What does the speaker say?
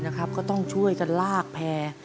น้ำลดทีนะครับก็ต้องช่วยกันลากแพร่